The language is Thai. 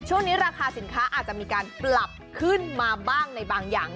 ช่วงนี้ราคาสินค้าอาจจะมีการปรับขึ้นมาบ้างในบางอย่าง